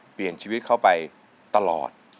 เปลี่ยนชีวิตเข้าไปตลอด